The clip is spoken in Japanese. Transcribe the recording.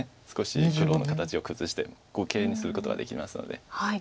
少し黒の形を崩して愚形にすることができますので。